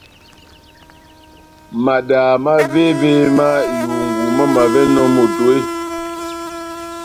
Madaha mávévémá ihungu mamavɛnɔni moto eeeh ?